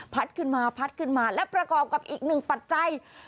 ขึ้นมาพัดขึ้นมาและประกอบกับอีกหนึ่งปัจจัย